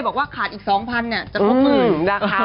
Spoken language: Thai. บอกว่าขาดอีก๒๐๐๐บาท